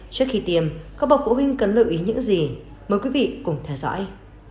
trước khi tiêm các bậc phụ huynh cần lưu ý những gì mời quý vị cùng theo dõi